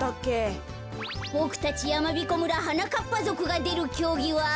ボクたちやまびこ村はなかっぱぞくがでるきょうぎは。